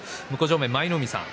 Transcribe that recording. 舞の海さん